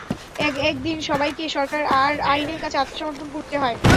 একদিন সবাইকেই সরকার আর আইনের কাছে আত্মসমর্পণ করতে হয়।